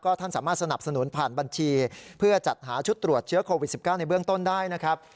ท่านสามารถสนับสนุนผ่านบัญชีเพื่อจัดหาชุดตรวจเชื้อโควิด๑๙ในเบื้องต้นได้นะครับ